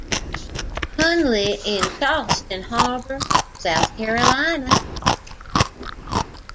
Hunley in Charleston Harbor, South Carolina.